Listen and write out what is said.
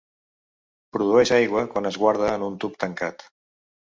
Produeix aigua quan es guarda en un tub tancat.